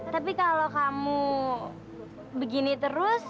tapi kalau kamu begini terus